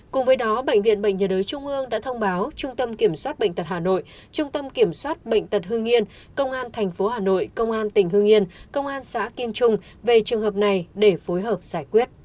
cùng với đó bệnh viện bệnh nhiệt đới trung ương đã thông báo trung tâm kiểm soát bệnh tật hà nội trung tâm kiểm soát bệnh tật hương yên công an tp hà nội công an tỉnh hương yên công an xã kim trung về trường hợp này để phối hợp giải quyết